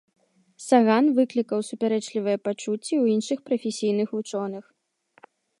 Саган выклікаў супярэчлівыя пачуцці ў іншых прафесійных вучоных.